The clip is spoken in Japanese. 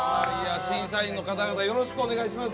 審査員の方々よろしくお願いします